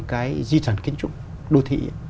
cái di sản kiến trúc đô thị